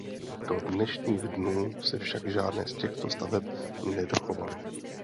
Do dnešních dnů se však žádné z těchto staveb nedochovaly.